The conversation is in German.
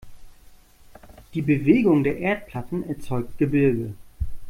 Die Bewegung der Erdplatten erzeugt Gebirge.